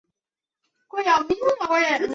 袁翼新市乡上碧溪人。